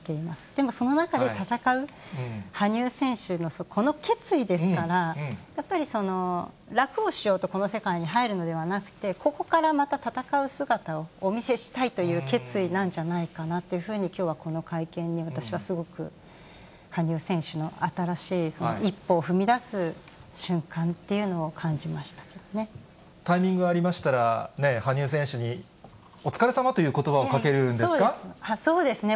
でもその中で戦う羽生選手のこの決意ですから、やっぱり楽をしようと、この世界に入るのではなくて、ここからまた戦う姿をお見せしたいという決意なんじゃないかなっていうふうに、きょうはこの会見で、私はすごく羽生選手の新しい一歩を踏み出す瞬間っていうのを感じタイミングありましたら、羽生選手に、お疲れさまということばをかけるんですか？